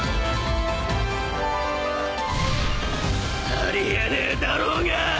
「あり得ねえだろうが！」